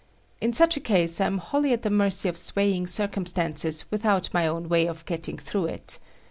In such a case I am wholly at the mercy of swaying circumstances without my own way of getting through it.